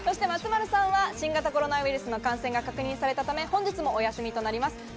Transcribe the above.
松丸さんは新型コロナウイルスの感染が確認されたため、本日もお休みとなります。